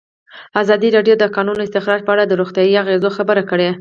ازادي راډیو د د کانونو استخراج په اړه د روغتیایي اغېزو خبره کړې.